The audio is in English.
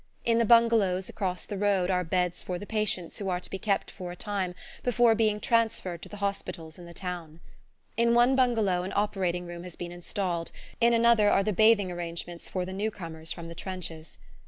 In the bungalows across the road are beds for the patients who are to be kept for a time before being transferred to the hospitals in the town. In one bungalow an operating room has been installed, in another are the bathing arrangements for the newcomers from the trenches.